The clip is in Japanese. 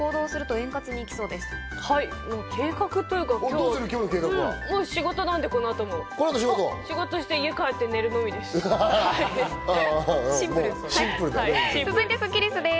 計画というか、今日、この後も仕事なんで、仕事して家帰って寝るのみです。